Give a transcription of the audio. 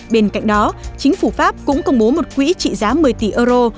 bên cạnh đó chính phủ pháp cũng công bố một quỹ trị giá một mươi tỷ euro